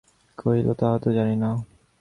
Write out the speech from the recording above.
কহিল, তাহা তো জানি না।